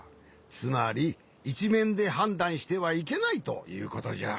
つまりいちめんではんだんしてはいけないということじゃ。